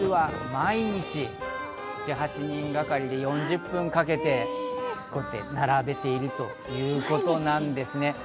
実は毎日７８人がかりで４０分かけて、こうやって並べているということなんですね。